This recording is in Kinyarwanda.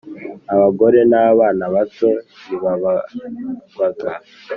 abagore n abana bato ntibabarwaga